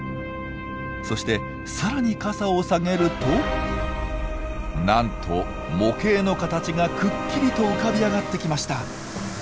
そして更に傘を下げるとなんと模型の形がくっきりと浮かび上がってきました！